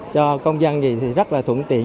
cho công dân thì rất là thuận tiện